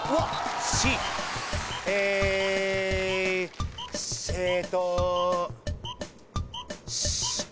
ええっと「し」